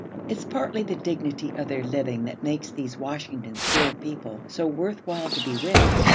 It's partly the dignity of their living that makes these Washington Square people so worth while to be with.'